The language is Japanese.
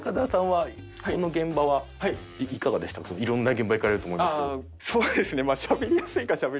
いろんな現場行かれると思いますけど。